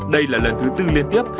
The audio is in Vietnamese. đây là lần thứ bốn liên tiếp